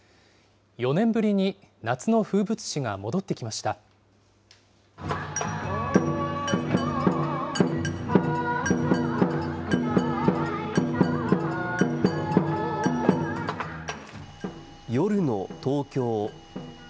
４年ぶりに夏の風物詩が戻ってき夜の東京。